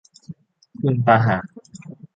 คุณตะหาก